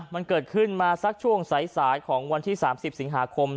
มันเกิดขึ้นมาสักช่วงสายของวันที่๓๐สิงหาคม